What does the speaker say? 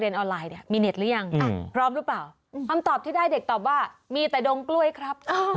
ระหว่างครูกับนักเรียนกันเลยค่ะ